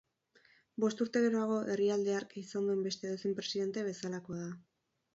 Bost urte geroago, herrialde hark izan duen beste edozein presidente bezalakoa da.